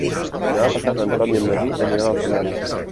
Demà passat en Tom i en Magí aniran al cinema.